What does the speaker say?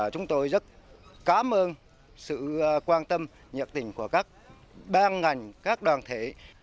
chúng tôi rất cảm ơn sự quan tâm nhiệt tình của các ban ngành các đoàn thể